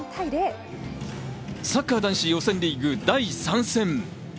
サッカー男子、予選リーグ第３戦。